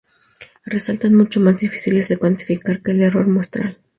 Resultan mucho más difíciles de cuantificar que el error muestral.